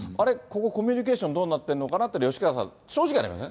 ここ、コミュニケーションどうなってるのかなっていうのは、吉川さん、正直ありません？